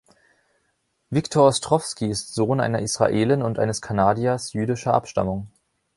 Victor Ostrovsky ist Sohn einer Israelin und eines Kanadiers jüdischer Abstammung.